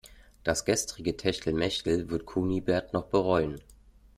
Das gestrige Techtelmechtel wird Kunibert noch bereuen.